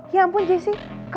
ya ampun jessy